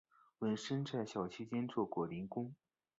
文森在校期间做过零工。